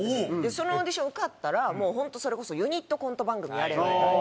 そのオーディション受かったらもう本当それこそユニットコント番組やれるみたいな。